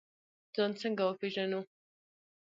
ځان څنګه وپیژنو؟